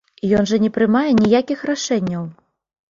Ён жа не прымае ніякіх рашэнняў!